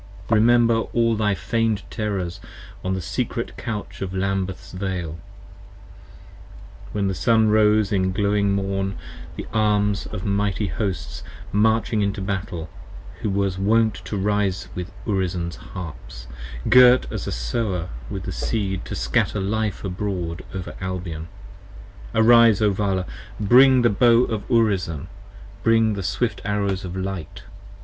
Remember all thy feigned terrors on the secret couch of Lambeth's Vale, When the sun rose in glowing morn, with arms of mighty hosts Marching to battle, who was wont to rise with Urizen's harps 45 Girt as a sower with his seed to scatter life abroad over Albion: Arise, O Vala: bring the bow of Urizen: bring the swift arrows of light.